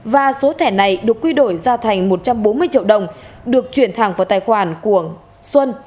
và số thẻ này được quy đổi ra thành một trăm bốn mươi triệu đồng được chuyển thẳng vào tài khoản của xuân